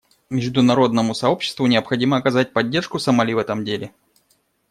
Международному сообществу необходимо оказать поддержку Сомали в этом деле.